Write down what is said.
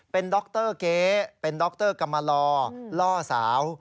เป็นดรเก๊เป็นดรกรรมลอล่อสาว